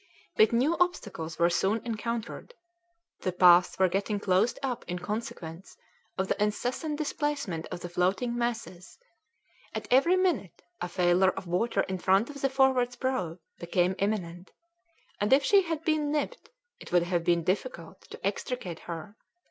But new obstacles were soon encountered; the paths were getting closed up in consequence of the incessant displacement of the floating masses; at every minute a failure of water in front of the Forward's prow became imminent, and if she had been nipped it would have been difficult to extricate her.